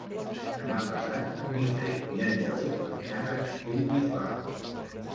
Demà passat en Guifré i en Lleó aniran a Castellbisbal.